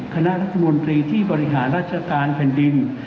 คณะรัฐมนตรีที่บริหารราชการแผ่นดิน